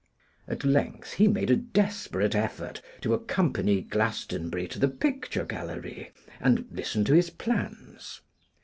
At length he made a desperate effort to accompany Glastonbury to the picture gallery and listen to his plans.